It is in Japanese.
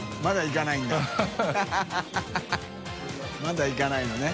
泙いかないのね。